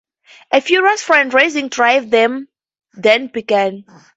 A furious fundraising drive then began.